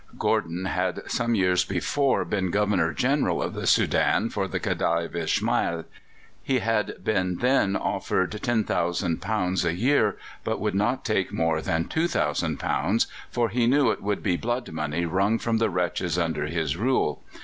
Gordon had some years before been Governor General of the Soudan for the Khedive Ismail. He had been then offered £10,000 a year, but would not take more than £2,000, for he knew it would be "blood money wrung from the wretches under his rule."